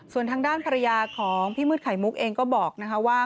ส่วนทางด้านภรรยาของพี่มืดไข่มุกเองก็บอกนะคะว่า